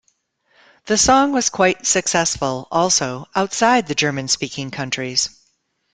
The song was quite successful, also outside the German-speaking countries.